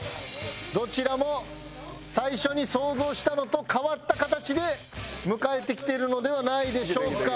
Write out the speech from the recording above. どちらも最初に想像したのと変わった形で迎えてきているのではないでしょうか。